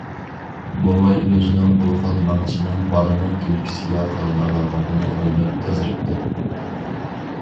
بوۋاي ئۆزىنىڭ بۇ خىل مېڭىشىنىڭ بالىنىڭ كۈلكىسىگە قالىدىغانلىقىنى ئويلاپ قىزىرىپ كەتتى.